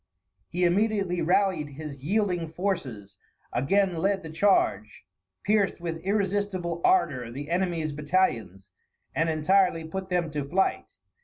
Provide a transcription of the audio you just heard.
He immediately rallied his yielding forces, again led the charge, pierced with irresistible ardor the enemy's battalions, and entirely put them to flight.